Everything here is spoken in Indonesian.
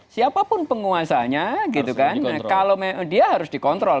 siapapun penguasanya dia harus dikontrol